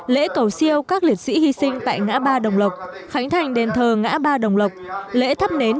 lễ cầu siêu các liệt sĩ hy sinh tại ngã ba đồng lộc khánh thành đền thờ ngã ba đồng lộc lễ thắp nến